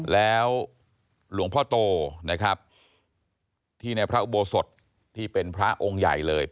แล้วหลวงพ่อโตนะครับที่ในพระอุโบสถที่เป็นพระองค์ใหญ่เลย